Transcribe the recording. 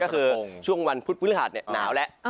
ก็คือช่วงวันพุฒิภูมิขาดเนี่ยหนาวแล้ว